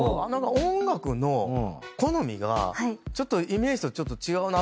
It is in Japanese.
音楽の好みがちょっとイメージと違うなと。